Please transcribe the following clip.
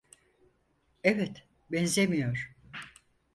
Evet, benzemiyor.